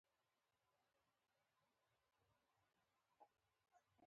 ژبه د ولس د شخصیت ښکارندویي کوي.